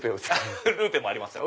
ルーペもありますよ。